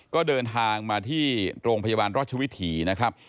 ก็เดินทางมาที่โรงพยาบาลราชวิถีนะครับ